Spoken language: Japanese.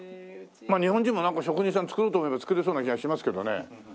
まあ日本人もなんか職人さん作ろうと思えば作れそうな気がしますけどね。